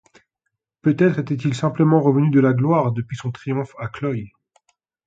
Peut-être était-il simplement revenu de la gloire, depuis son triomphe, à Cloyes.